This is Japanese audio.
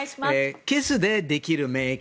キスでできる免疫。